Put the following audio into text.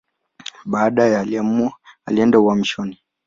Baadaye alienda uhamishoni.